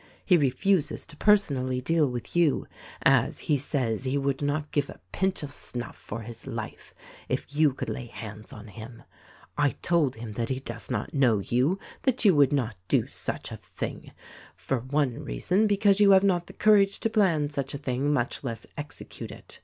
He refuses to personally deal with you, as he says he would not give a pinch of snuff" for his life if you could lay hands on him. I told him that he does not know you, that you would not do such a thing — for one reason, because you have not the courage to plan such a thing — much less execute it.